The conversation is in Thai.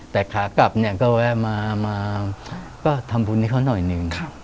แต่ขากลับเนี่ยก็แวะมาก็ทำบุญให้เขาหน่อยหนึ่ง